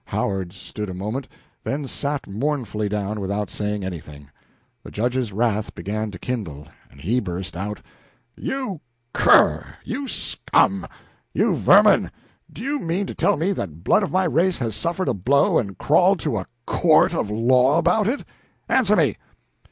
Howard stood a moment, then sat mournfully down without saying anything. The Judge's wrath began to kindle, and he burst out "You cur! You scum! You vermin! Do you mean to tell me that blood of my race has suffered a blow and crawled to a court of law about it? Answer me!"